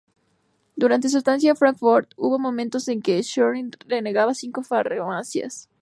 Durante su estancia en Frankfurt hubo momentos en que Schröder regentaba cinco farmacias.